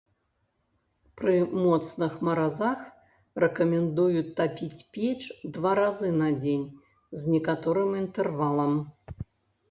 Пры моцных маразах рэкамендуюць тапіць печ два разы на дзень з некаторым інтэрвалам.